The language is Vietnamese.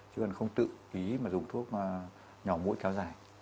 chứ còn không tự ý mà dùng thuốc nhỏ mũi kéo dài